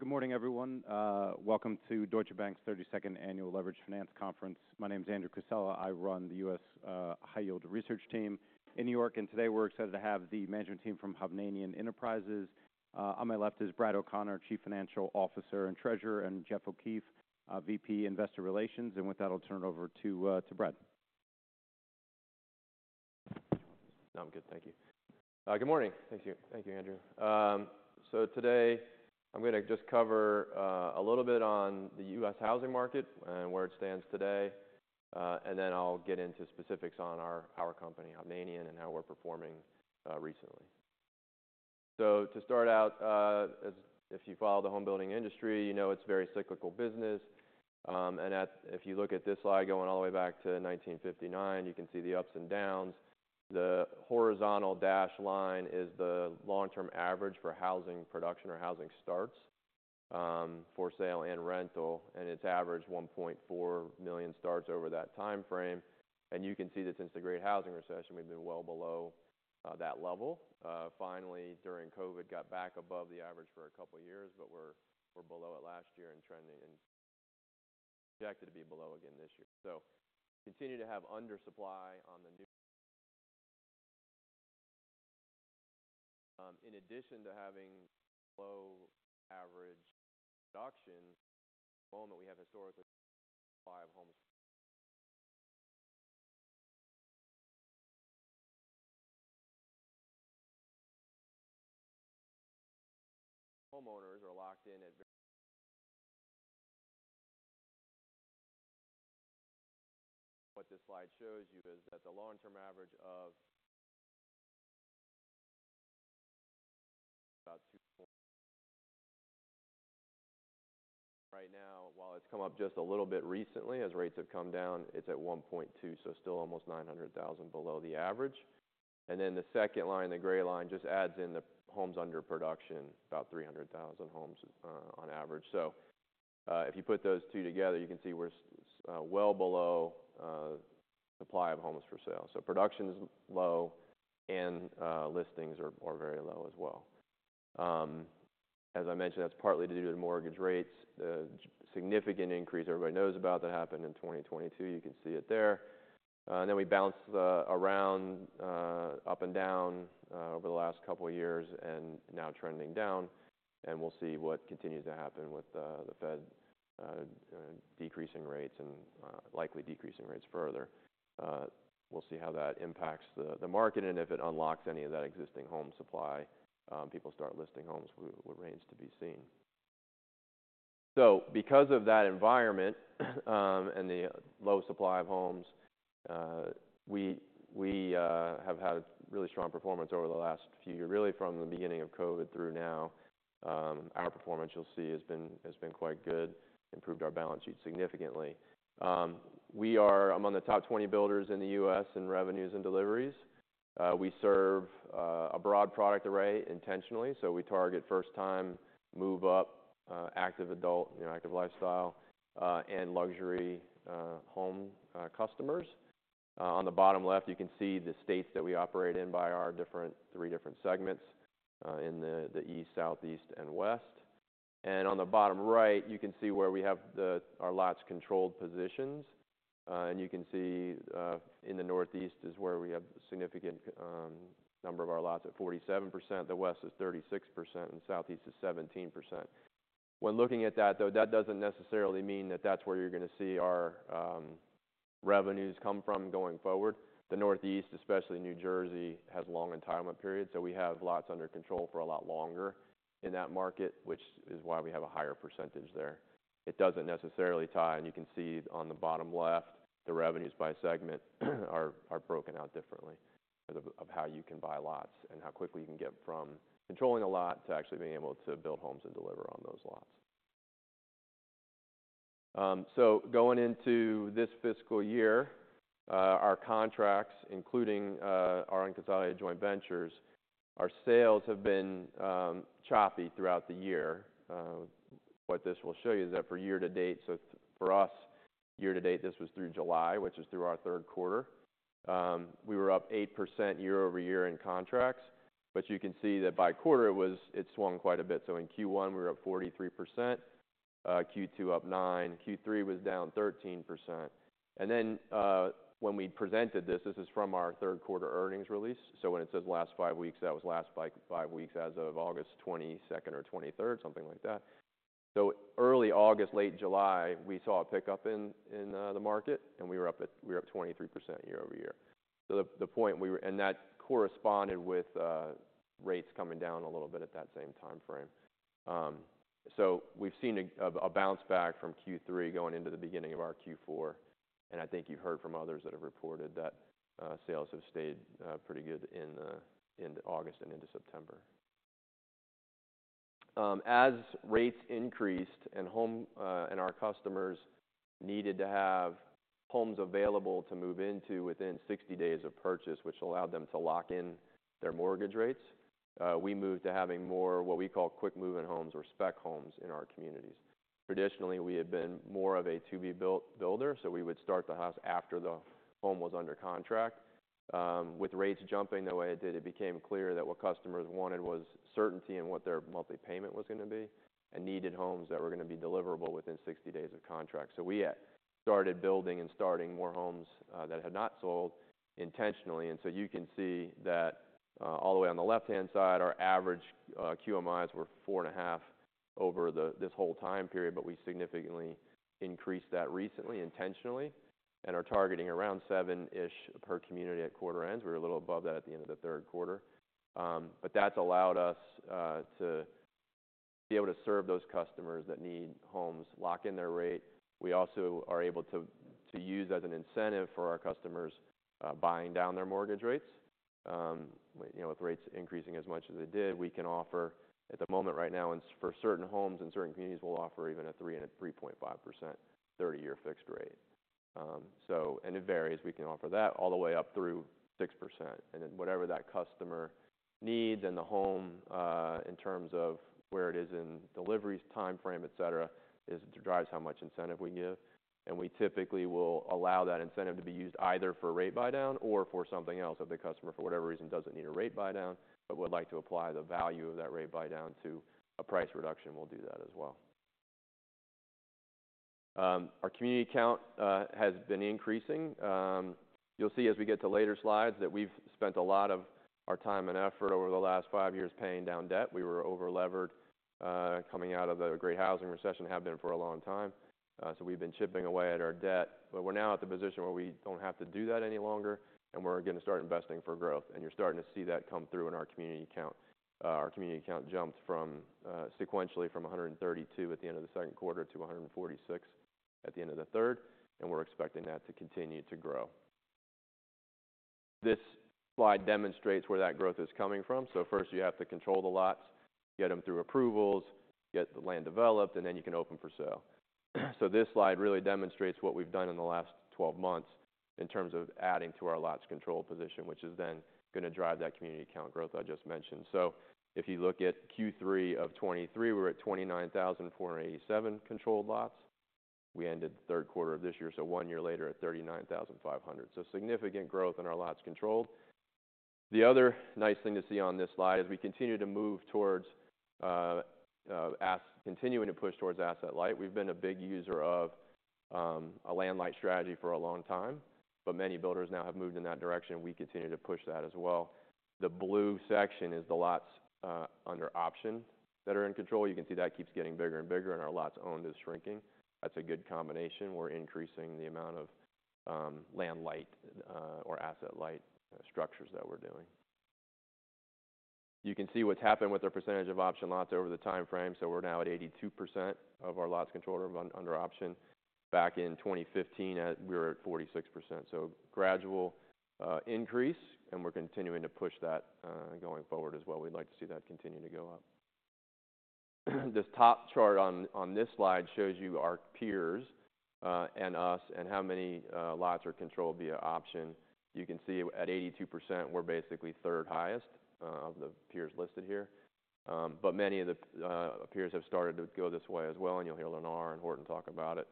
Good morning, everyone. Welcome to Deutsche Bank's thirty-second Annual Leveraged Finance Conference. My name is Andrew Casella. I run the U.S. high yield research team in New York, and today we're excited to have the management team from Hovnanian Enterprises. On my left is Brad O'Connor, Chief Financial Officer and Treasurer, and Jeff O'Keefe, VP Investor Relations. With that, I'll turn it over to Brad. No, I'm good, thank you. Good morning. Thank you. Thank you, Andrew. So today I'm gonna just cover a little bit on the U.S. housing market and where it stands today, and then I'll get into specifics on our company, Hovnanian, and how we're performing recently. So to start out, as if you follow the home building industry, you know it's a very cyclical business. And if you look at this slide, going all the way back to 1959, you can see the ups and downs. The horizontal dash line is the long-term average for housing production or housing starts, for sale and rental, and it's averaged one point four million starts over that timeframe. And you can see that since the Great Housing Recession, we've been well below that level. Finally, during COVID, got back above the average for a couple of years, but we're below it last year and trending and projected to be below again this year. So continue to have under supply on the new. In addition to having low average production, we have historically five homes. Homeowners are locked in at very. What this slide shows you is that the long-term average of about two point. Right now, while it's come up just a little bit recently, as rates have come down, it's at 1.2, so still almost 900,000 below the average. And then the second line, the gray line, just adds in the homes under production, about 300,000 homes, on average. So, if you put those two together, you can see we're well below supply of homes for sale. So production is low and listings are very low as well. As I mentioned, that's partly due to the mortgage rates. The significant increase everybody knows about that happened in 2022, you can see it there. And then we bounced around up and down over the last couple of years and now trending down, and we'll see what continues to happen with the Fed decreasing rates and likely decreasing rates further. We'll see how that impacts the market and if it unlocks any of that existing home supply, people start listing homes, remains to be seen. So because of that environment and the low supply of homes, we have had really strong performance over the last few years. Really from the beginning of COVID through now, our performance, you'll see, has been quite good, improved our balance sheet significantly. We are among the top 20 builders in the U.S. in revenues and deliveries. We serve a broad product array intentionally, so we target first time, move up, active adult, you know, active lifestyle, and luxury home customers. On the bottom left, you can see the states that we operate in by our three different segments in the Northeast, Southeast, and West. And on the bottom right, you can see where we have the our lots controlled positions. And you can see in the Northeast is where we have significant number of our lots at 47%, the West is 36%, and Southeast is 17%. When looking at that, though, that doesn't necessarily mean that that's where you're gonna see our revenues come from going forward. The Northeast, especially New Jersey, has long entitlement periods, so we have lots under control for a lot longer in that market, which is why we have a higher percentage there. It doesn't necessarily tie, and you can see on the bottom left, the revenues by segment are broken out differently of how you can buy lots and how quickly you can get from controlling a lot to actually being able to build homes and deliver on those lots. So going into this fiscal year, our contracts, including our consolidated joint ventures, our sales have been choppy throughout the year. What this will show you is that for year to date, so for us, year to date, this was through July, which is through our third quarter. We were up 8% year-over-year in contracts, but you can see that by quarter, it swung quite a bit. So in Q1, we were up 43%, Q2 up 9%, Q3 was down 13%. And then, when we presented this, this is from our third quarter earnings release. So when it says last five weeks, that was five weeks as of August twenty-second or twenty-third, something like that. So early August, late July, we saw a pickup in the market, and we were up 23% year-over-year. So the point we were and that corresponded with rates coming down a little bit at that same time frame. So we've seen a bounce back from Q3 going into the beginning of our Q4, and I think you've heard from others that have reported that sales have stayed pretty good into August and into September. As rates increased and home and our customers needed to have homes available to move into within 60 days of purchase, which allowed them to lock in their mortgage rates, we moved to having more what we call quick move-in homes or spec homes in our communities. Traditionally, we had been more of a to-be built builder, so we would start the house after the home was under contract. With rates jumping the way it did, it became clear that what customers wanted was certainty in what their monthly payment was going to be, and needed homes that were going to be deliverable within sixty days of contract, so we started building and starting more homes that had not sold intentionally, and so you can see that all the way on the left-hand side, our average QMIs were four and a half over this whole time period, but we significantly increased that recently, intentionally, and are targeting around seven-ish per community at quarter ends. We're a little above that at the end of the third quarter, but that's allowed us to be able to serve those customers that need homes, lock in their rate. We also are able to use as an incentive for our customers buying down their mortgage rates. You know, with rates increasing as much as they did, we can offer at the moment right now, and for certain homes and certain communities, we'll offer even a 3% and a 3.5% 30 year fixed rate. And it varies. We can offer that all the way up through 6%, and then whatever that customer needs and the home in terms of where it is in deliveries, time frame, et cetera, drives how much incentive we give. And we typically will allow that incentive to be used either for a rate buydown or for something else. If the customer, for whatever reason, doesn't need a rate buydown, but would like to apply the value of that rate buydown to a price reduction, we'll do that as well. Our community count has been increasing. You'll see as we get to later slides, that we've spent a lot of our time and effort over the last five years paying down debt. We were over-levered coming out of the Great Housing Recession, have been for a long time. So we've been chipping away at our debt, but we're now at the position where we don't have to do that any longer, and we're going to start investing for growth, and you're starting to see that come through in our community count. Our community count jumped sequentially from 132 at the end of the second quarter to 146 at the end of the third, and we're expecting that to continue to grow. This slide demonstrates where that growth is coming from. First, you have to control the lots, get them through approvals, get the land developed, and then you can open for sale. This slide really demonstrates what we've done in the last 12 months in terms of adding to our lots control position, which is then going to drive that community count growth I just mentioned. If you look at Q3 of 2023, we were at 29,487 controlled lots. We ended the third quarter of this year, so one year later at 39,500. Significant growth in our lots controlled. The other nice thing to see on this slide, as we continue to move towards, continuing to push towards asset light, we've been a big user of, a land light strategy for a long time, but many builders now have moved in that direction. We continue to push that as well. The blue section is the lots, under option that are in control. You can see that keeps getting bigger and bigger, and our lots owned is shrinking. That's a good combination. We're increasing the amount of, land light, or asset light structures that we're doing. You can see what's happened with the percentage of option lots over the time frame, so we're now at 82% of our lots controlled are under option. Back in twenty fifteen, we were at 46%, so gradual increase, and we're continuing to push that going forward as well. We'd like to see that continue to go up. This top chart on this slide shows you our peers and us, and how many lots are controlled via option. You can see at 82%, we're basically third highest of the peers listed here. But many of the peers have started to go this way as well, and you'll hear Lennar and Horton talk about it.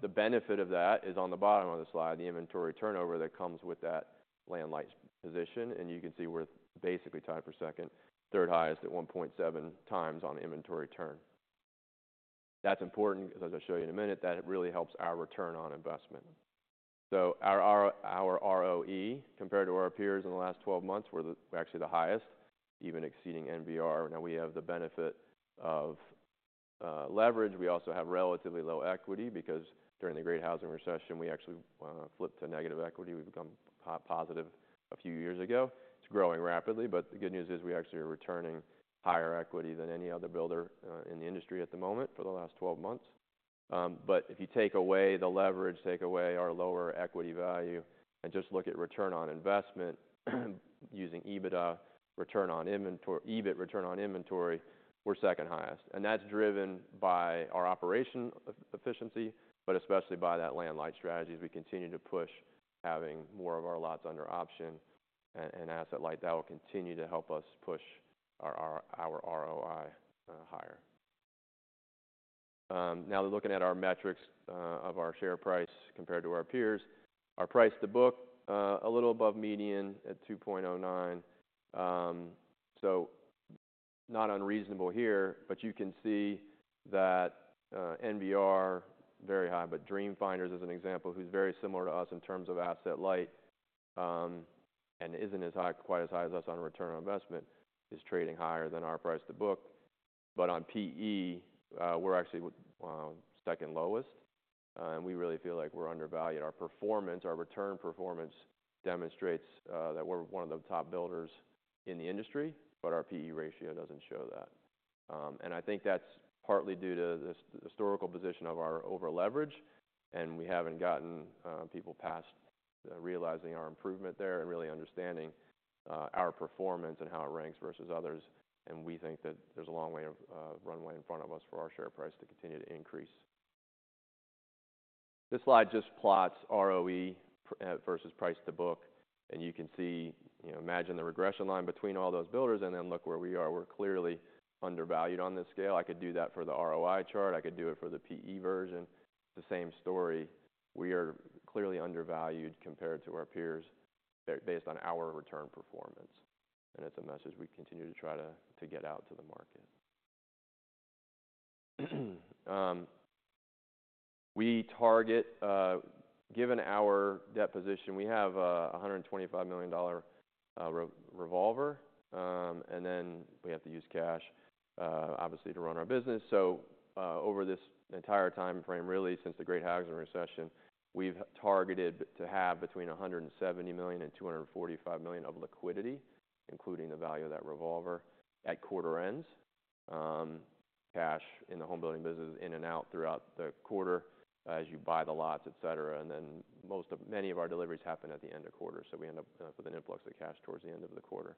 The benefit of that is on the bottom of the slide, the inventory turnover that comes with that land light position, and you can see we're basically tied for second, third highest at 1.7 times on inventory turn. That's important, because as I'll show you in a minute, that it really helps our return on investment. So our ROE compared to our peers in the last twelve months, we're actually the highest, even exceeding NVR. Now, we have the benefit of leverage. We also have relatively low equity, because during the Great Housing Recession, we actually flipped to negative equity. We've become positive a few years ago. It's growing rapidly, but the good news is we actually are returning higher equity than any other builder in the industry at the moment for the last 12 months. But if you take away the leverage, take away our lower equity value, and just look at return on investment, using EBITDA, return on inventory - EBIT return on inventory, we're second highest, and that's driven by our operational efficiency, but especially by that land light strategy, as we continue to push having more of our lots under option and asset light, that will continue to help us push our ROI higher. Now we're looking at our metrics of our share price compared to our peers. Our price to book a little above median at 2.09. So not unreasonable here, but you can see that, NVR, very high, but Dream Finders, as an example, who's very similar to us in terms of asset light, and isn't as high, quite as high as us on return on investment, is trading higher than our price to book. But on PE, we're actually second lowest, and we really feel like we're undervalued. Our performance, our return performance demonstrates that we're one of the top builders in the industry, but our PE ratio doesn't show that. And I think that's partly due to the historical position of our over-leverage, and we haven't gotten people past realizing our improvement there and really understanding our performance and how it ranks versus others. And we think that there's a long way of runway in front of us for our share price to continue to increase. This slide just plots ROE versus price to book, and you can see, you know, imagine the regression line between all those builders and then look where we are. We're clearly undervalued on this scale. I could do that for the ROI chart. I could do it for the PE version, the same story. We are clearly undervalued compared to our peers, based on our return performance, and it's a message we continue to try to get out to the market. We target. Given our debt position, we have a $125 million revolver, and then we have to use cash, obviously, to run our business. Over this entire timeframe, really since the Great Housing Recession, we've targeted to have between $170 million and $245 million of liquidity, including the value of that revolver at quarter ends. Cash in the home building business in and out throughout the quarter as you buy the lots, et cetera. Many of our deliveries happen at the end of quarters, so we end up with an influx of cash towards the end of the quarter.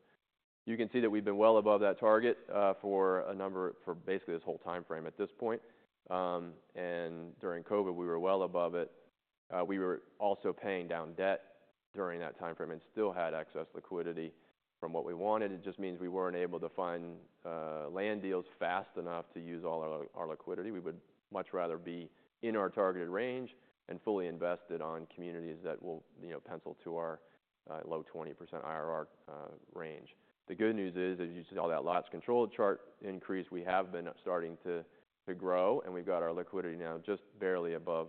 You can see that we've been well above that target, for basically this whole timeframe at this point. During COVID, we were well above it. We were also paying down debt during that timeframe and still had excess liquidity from what we wanted. It just means we weren't able to find land deals fast enough to use all our liquidity. We would much rather be in our targeted range and fully invested on communities that will, you know, pencil to our low 20% IRR range. The good news is, as you see, all that lots controlled chart increase, we have been starting to grow, and we've got our liquidity now just barely above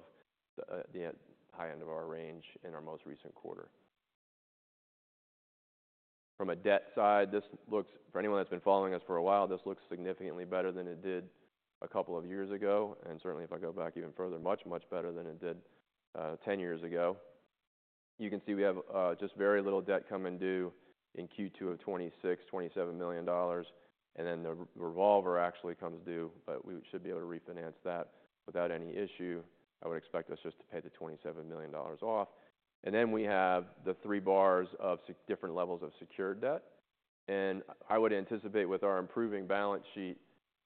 the high end of our range in our most recent quarter. From a debt side, this looks... For anyone that's been following us for a while, this looks significantly better than it did a couple of years ago, and certainly if I go back even further, much, much better than it did ten years ago. You can see we have just very little debt coming due in Q2 of 2026, $27 million, and then the revolver actually comes due, but we should be able to refinance that without any issue. I would expect us just to pay the $27 million off. And then we have the three bars of different levels of secured debt. And I would anticipate with our improving balance sheet,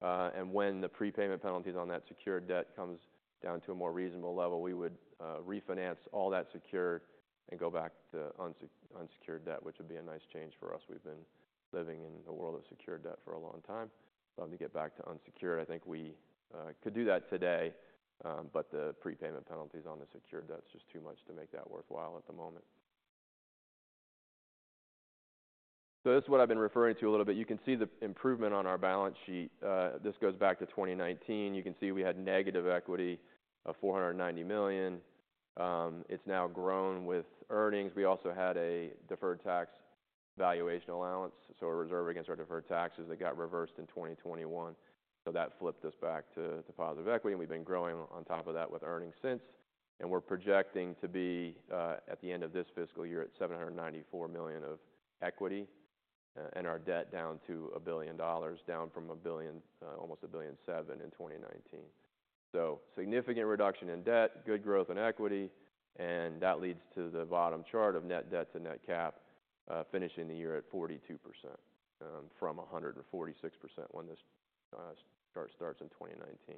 and when the prepayment penalties on that secured debt comes down to a more reasonable level, we would refinance all that secured and go back to unsecured debt, which would be a nice change for us. We've been living in a world of secured debt for a long time. Love to get back to unsecured. I think we could do that today, but the prepayment penalties on the secured debt is just too much to make that worthwhile at the moment. So this is what I've been referring to a little bit. You can see the improvement on our balance sheet. This goes back to 2019. You can see we had negative equity of $490 million. It's now grown with earnings. We also had a deferred tax valuation allowance, so a reserve against our deferred taxes that got reversed in 2021. So that flipped us back to positive equity, and we've been growing on top of that with earnings since. We're projecting to be at the end of this fiscal year at $794 million of equity and our debt down to $1 billion, down from almost $1.7 billion in 2019. So significant reduction in debt, good growth in equity, and that leads to the bottom chart of net debt to net cap finishing the year at 42%, from 146% when this chart starts in 2019.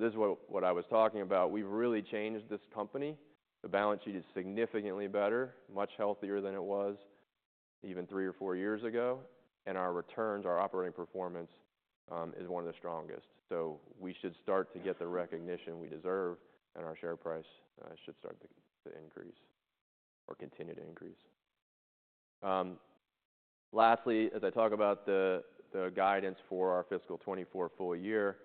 This is what I was talking about. We've really changed this company. The balance sheet is significantly better, much healthier than it was even three or four years ago, and our returns, our operating performance, is one of the strongest. So we should start to get the recognition we deserve, and our share price should start to increase or continue to increase. Lastly, as I talk about the guidance for our fiscal 2024 full year,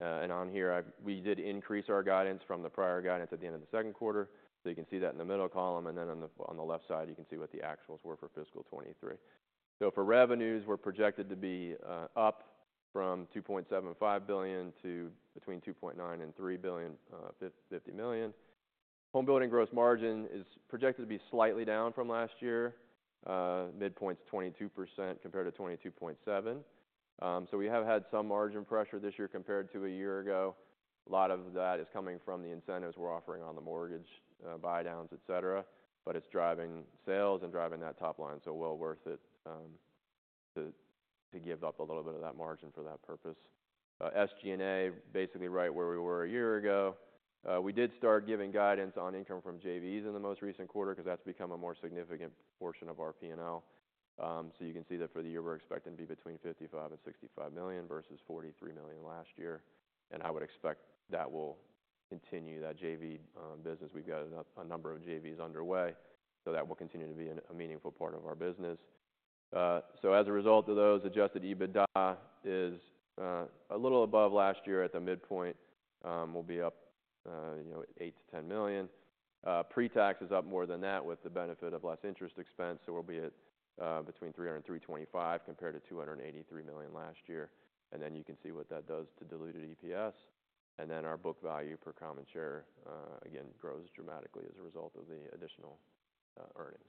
and on here, we did increase our guidance from the prior guidance at the end of the second quarter. So you can see that in the middle column, and then on the left side, you can see what the actuals were for fiscal 2023. So for revenues, we're projected to be up from $2.75 billion to between $2.9 billion and $3.05 billion. Home building gross margin is projected to be slightly down from last year, midpoint's 22% compared to 22.7%. So we have had some margin pressure this year compared to a year ago. A lot of that is coming from the incentives we're offering on the mortgage buydowns, etc., but it's driving sales and driving that top line. So well worth it to give up a little bit of that margin for that purpose. SG&A, basically right where we were a year ago. We did start giving guidance on income from JVs in the most recent quarter, because that's become a more significant portion of our P&L. So you can see that for the year, we're expecting to be between $55 and $65 million versus $43 million last year, and I would expect that will continue, that JV business. We've got a number of JVs underway, so that will continue to be a meaningful part of our business. So as a result of those, adjusted EBITDA is a little above last year at the midpoint. We'll be up, you know, $8 million-$10 million. Pre-tax is up more than that with the benefit of less interest expense, so we'll be at between $300 million and $325 million, compared to $283 million last year. And then you can see what that does to diluted EPS. And then our book value per common share again grows dramatically as a result of the additional earnings.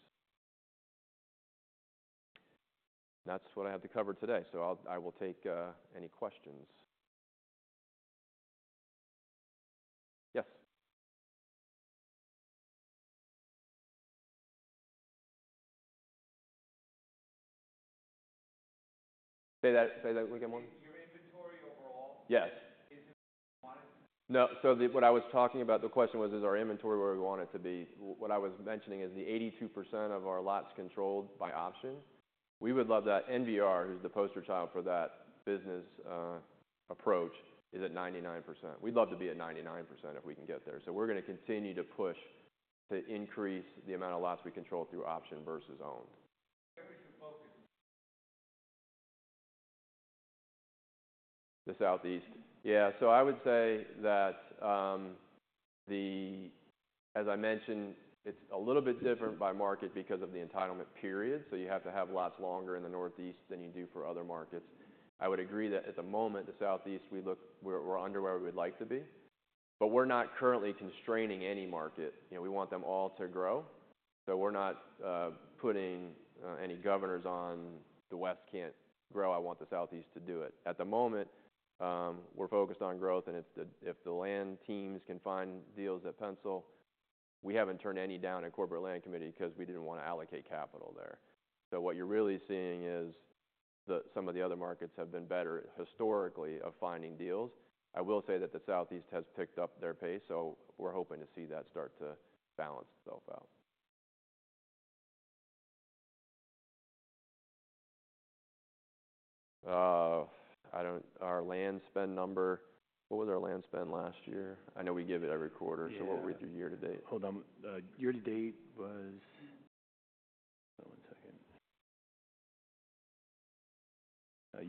That's what I have to cover today, so I will take any questions. Yes? Say that one again? Your inventory overall- Yes. Is it where you want it? No, so what I was talking about, the question was, is our inventory where we want it to be? What I was mentioning is the 82% of our lots controlled by option. We would love that. NVR, who's the poster child for that business approach, is at 99%. We'd love to be at 99% if we can get there. So we're going to continue to push to increase the amount of lots we control through option versus owned. Where is your focus? The Southeast. Yeah. So I would say that, the, as I mentioned, it's a little bit different by market because of the entitlement period, so you have to have lots longer in the Northeast than you do for other markets. I would agree that at the moment, the Southeast, we're under where we'd like to be, but we're not currently constraining any market. You know, we want them all to grow, so we're not putting any governors on the West can't grow, I want the Southeast to do it. At the moment, we're focused on growth, and if the land teams can find deals that pencil, we haven't turned any down in corporate land committee because we didn't want to allocate capital there. So what you're really seeing is that some of the other markets have been better historically at finding deals. I will say that the Southeast has picked up their pace, so we're hoping to see that start to balance itself out. Our land spend number. What was our land spend last year? I know we give it every quarter- Yeah. So what were we through year to date? Hold on. Year to date was... One second.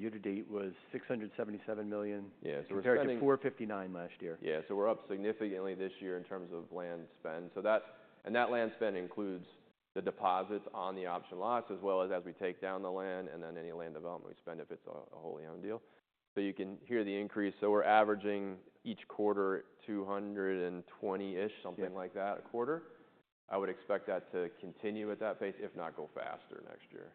Year to date was $677 million. Yes, so we're spending- Compared to 459 last year. Yeah. So we're up significantly this year in terms of land spend. So that, and that land spend includes the deposits on the option lots, as well as we take down the land, and then any land development we spend, if it's a wholly owned deal. So you can hear the increase. So we're averaging each quarter, two hundred and twenty-ish- Yeah... something like that a quarter. I would expect that to continue at that pace, if not go faster next year.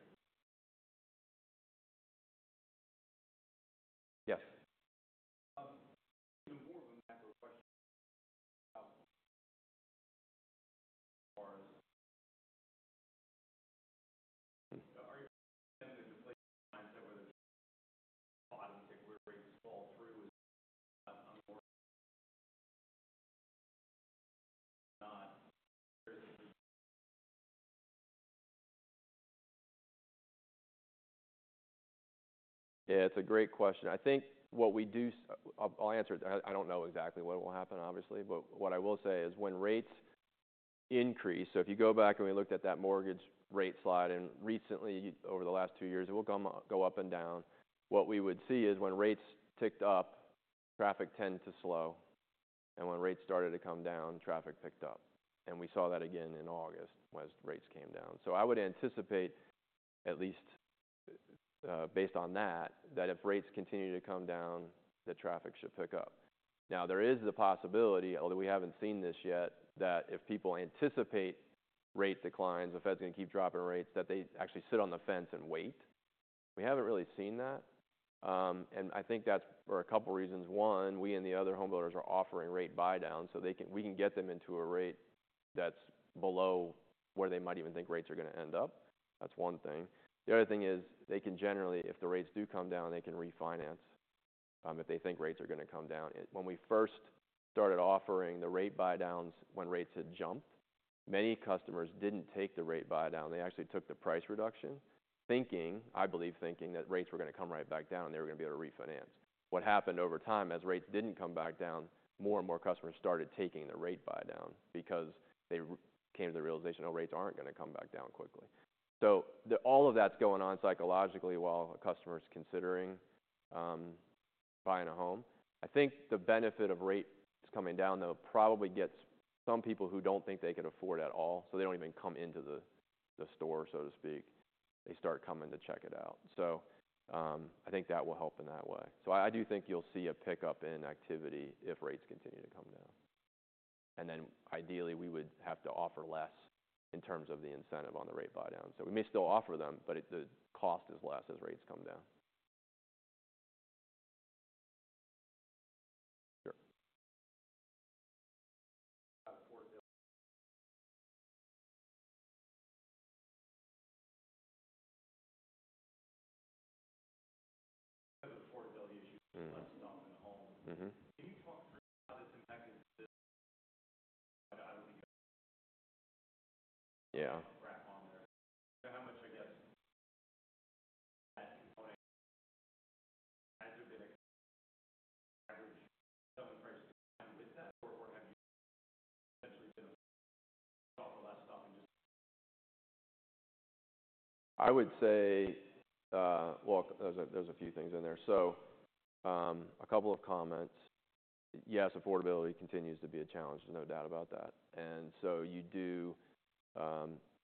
Yes. More of a macro question. Are you saying that the mindset where the bottom fall through is not? Yeah, it's a great question. I think what we do. I'll answer it. I don't know exactly what will happen, obviously, but what I will say is when rates increase. So if you go back and we looked at that mortgage rate slide, and recently, over the last two years, it will come, go up and down. What we would see is when rates ticked up, traffic tended to slow, and when rates started to come down, traffic picked up, and we saw that again in August as rates came down. So I would anticipate, at least, based on that, that if rates continue to come down, the traffic should pick up. Now, there is the possibility, although we haven't seen this yet, that if people anticipate rate declines, the Fed's going to keep dropping rates, that they actually sit on the fence and wait. We haven't really seen that, and I think that's for a couple reasons. One, we and the other home builders are offering rate buydowns, so they can, we can get them into a rate that's below where they might even think rates are going to end up. That's one thing. The other thing is, they can generally, if the rates do come down, they can refinance, if they think rates are going to come down. When we first started offering the rate buydowns when rates had jumped, many customers didn't take the rate buydown. They actually took the price reduction, thinking, I believe, thinking that rates were going to come right back down, and they were going to be able to refinance. What happened over time, as rates didn't come back down, more and more customers started taking the rate buydown because they came to the realization that rates aren't going to come back down quickly. So all of that's going on psychologically while a customer is considering buying a home. I think the benefit of rates coming down, though, probably gets some people who don't think they can afford at all, so they don't even come into the store, so to speak. They start coming to check it out. So I think that will help in that way. So I do think you'll see a pickup in activity if rates continue to come down. And then ideally, we would have to offer less in terms of the incentive on the rate buydown. So we may still offer them, but the cost is less as rates come down. Sure. Affordability issue- Mm-hmm... less on the home. Mm-hmm. Can you talk how this impacted this? Yeah. How much, I guess, at that point, as an average selling price with that, or, or have you essentially less often just? I would say, well, there's a few things in there. So a couple of comments. Yes, affordability continues to be a challenge. There's no doubt about that. And so you do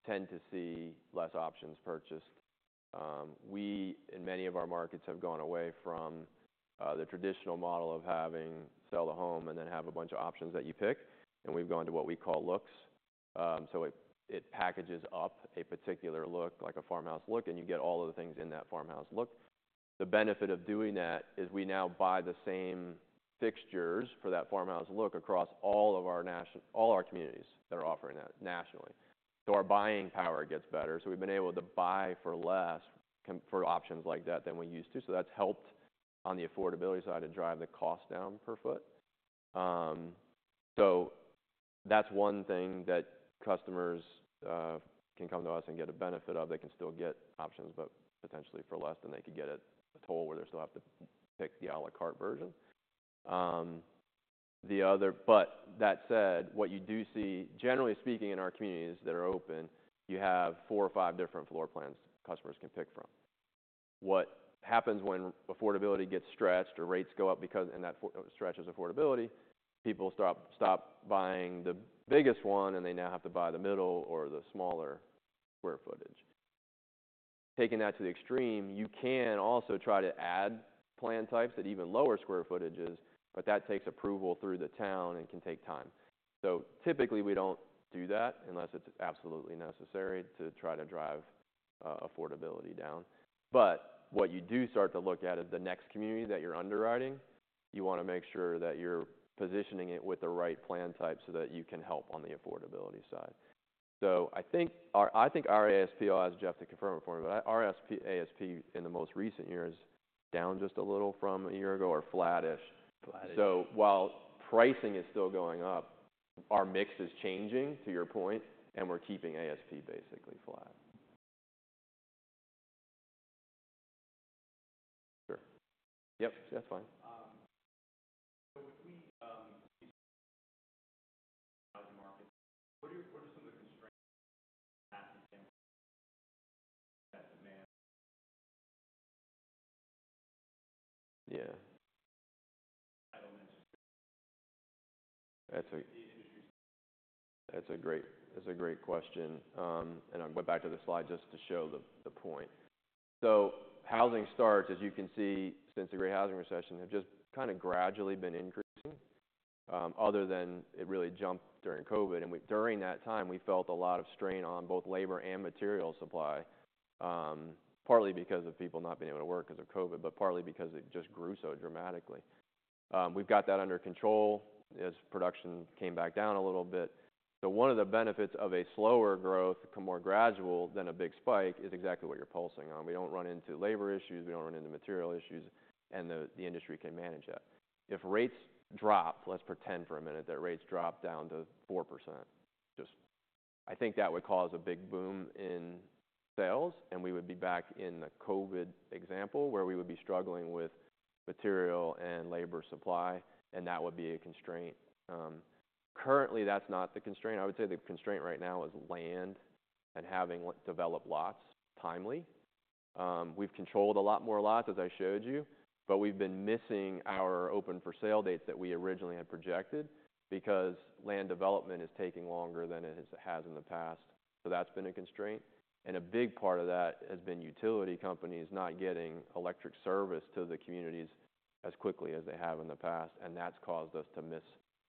tend to see less options purchased. We, in many of our markets, have gone away from the traditional model of having sell a home and then have a bunch of options that you pick, and we've gone to what we call Looks. So it packages up a particular look, like a farmhouse look, and you get all of the things in that farmhouse look. The benefit of doing that is we now buy the same fixtures for that farmhouse look across all of our nation- all our communities that are offering that nationally. So our buying power gets better. So we've been able to buy for less, for options like that than we used to, so that's helped on the affordability side to drive the cost down per foot. So that's one thing that customers can come to us and get a benefit of. They can still get options, but potentially for less than they could get at Toll, where they still have to pick the à la carte version. But that said, what you do see, generally speaking, in our communities that are open, you have four or five different floor plans customers can pick from. What happens when affordability gets stretched or rates go up because that stretches affordability, people stop buying the biggest one, and they now have to buy the middle or the smaller square footage. Taking that to the extreme, you can also try to add plan types at even lower square footages, but that takes approval through the town and can take time. So typically, we don't do that unless it's absolutely necessary to try to drive affordability down. But what you do start to look at is the next community that you're underwriting. You wanna make sure that you're positioning it with the right plan type so that you can help on the affordability side. So I think our ASP. I'll ask Jeff to confirm it for me, but our ASP in the most recent year is down just a little from a year ago or flattish. Flattish. While pricing is still going up, our mix is changing, to your point, and we're keeping ASP basically flat. Sure. Yep, that's fine. So if we market, what are some of the constraints that demand? Yeah. Entitlements. That's a- The industry- That's a great, that's a great question. And I'll go back to the slide just to show the point. So housing starts, as you can see, since the Great Housing Recession, have just kinda gradually been increasing, other than it really jumped during COVID. And we - during that time, we felt a lot of strain on both labor and material supply, partly because of people not being able to work because of COVID, but partly because it just grew so dramatically. We've got that under control as production came back down a little bit. So one of the benefits of a slower growth, more gradual than a big spike, is exactly what you're pulsing on. We don't run into labor issues, we don't run into material issues, and the industry can manage that. If rates drop, let's pretend for a minute that rates drop down to 4%. Just... I think that would cause a big boom in sales, and we would be back in the COVID example, where we would be struggling with material and labor supply, and that would be a constraint. Currently, that's not the constraint. I would say the constraint right now is land and having developed lots timely. We've controlled a lot more lots, as I showed you, but we've been missing our open-for-sale dates that we originally had projected because land development is taking longer than it has in the past, so that's been a constraint, and a big part of that has been utility companies not getting electric service to the communities as quickly as they have in the past, and that's caused us to miss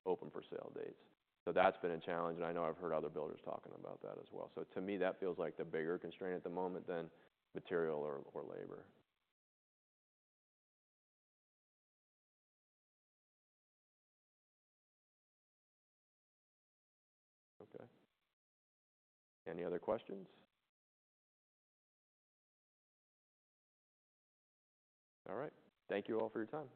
open-for-sale dates. So that's been a challenge, and I know I've heard other builders talking about that as well. So to me, that feels like the bigger constraint at the moment than material or, or labor. Okay. Any other questions? All right. Thank you all for your time.